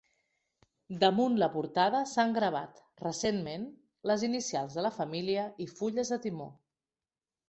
Damunt la portada s'han gravat, recentment, les inicials de la família i fulles de timó.